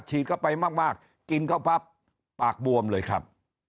ฉีกเข้าไปมากกินเข้าพับปากบวมเลยครับ